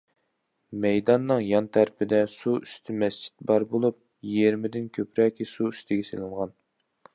مەيداننىڭ يان تەرىپىدە سۇ ئۈستى مەسچىت بار بولۇپ، يېرىمىدىن كۆپرەكى سۇ ئۈستىگە سېلىنغان.